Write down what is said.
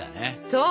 そう。